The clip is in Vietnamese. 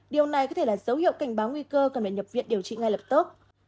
điều này có thể là dấu hiệu cảnh báo nguy cơ cần phải nhập viện điều trị ngay lập tức